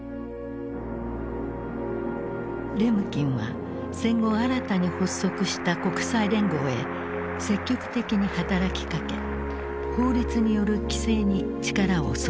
レムキンは戦後新たに発足した国際連合へ積極的に働きかけ法律による規制に力を注いだ。